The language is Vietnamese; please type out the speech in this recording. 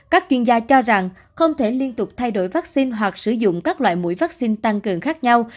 các chuyên gia cho rằng không thể liên tục thay đổi vaccine hoặc sử dụng các loại mũi vaccine tăng cường khác nhau